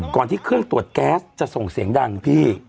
ก่อนที่เครื่องตรวจแก๊สจะส่งเสียงดังพี่